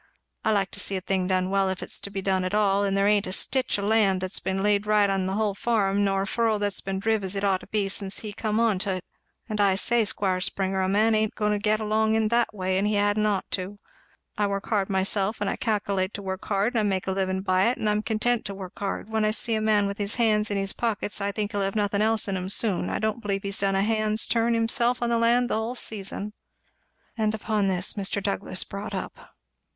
I like to see a thing done well if it's to be done at all; and there ain't a stitch o' land been laid right on the hull farm, nor a furrow driv' as it had ought to be, since he come on to it; and I say, Squire Springer, a man ain't going to get along in that way, and he hadn't ought to. I work hard myself, and I calculate to work hard; and I make a livin by't; and I'm content to work hard. When I see a man with his hands in his pockets, I think he'll have nothin' else in 'em soon. I don't believe he's done a hand's turn himself on the land the hull season!" And upon this Mr. Douglass brought up.